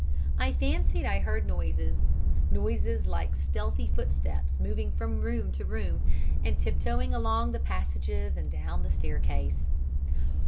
I fancied I heard noises, noises like stealthy footsteps moving from room to room, and tiptoeing along the passages and down the staircase.